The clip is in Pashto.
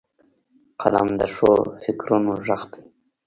قلم د ښو فکرونو غږ دی